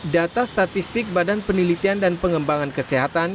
data statistik badan penelitian dan pengembangan kesehatan